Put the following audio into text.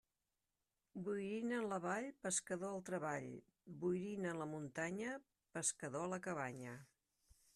Boirina en la vall, pescador al treball; boirina en la muntanya, pescador a la cabanya.